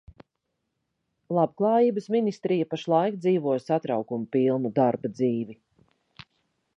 Labklājības ministrija pašlaik dzīvo satraukuma pilnu darba dzīvi.